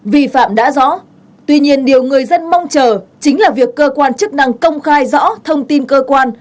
vi phạm đã rõ tuy nhiên điều người dân mong chờ chính là việc cơ quan chức năng công khai rõ thông tin cơ quan